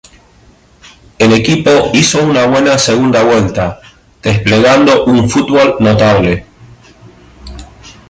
El equipo hizo una buena segunda vuelta, desplegando un fútbol notable.